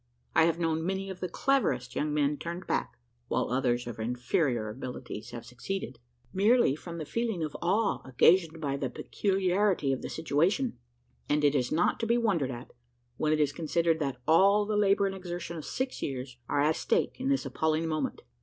I have known many of the cleverest young men turned back (while others of inferior abilities have succeeded), merely from the feeling of awe occasioned by the peculiarity of the situation; and it is not to be wondered at, when it is considered that all the labour and exertion of six years are at stake at this appalling moment.